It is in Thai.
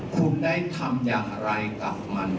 คุณได้ทำอย่างไรกับมัน